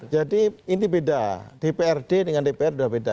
jadi ini beda dprd dengan dprd udah beda